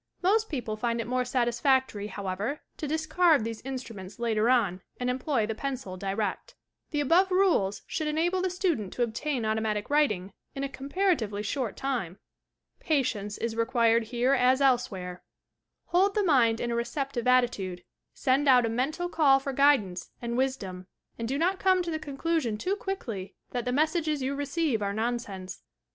Most people find it more satisfactory, however, to discard these instruments later on, and employ the pencil direct. The above rules should enable the student to obtain automatic writing in a comparatively short time. Patience is required here as elsewhere. Hold the mind in a receptive attitude, send out a mental call for guid ance and wisdom, and do not come to the conclusion too quickly that the messages you receive are nonsense.